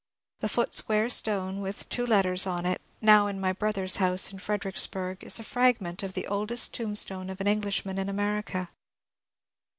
The foot sqaare stone with two letters on it, now in my brother's hoase in Fredericksbarg, is a fragment of the oldest tombstone of an Englishman in America.